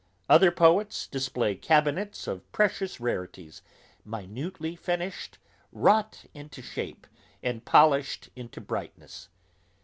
Other poets display cabinets of precious rarities, minutely finished, wrought into shape, and polished into brightness.